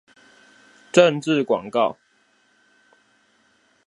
政治廣告